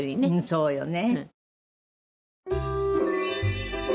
そうよね。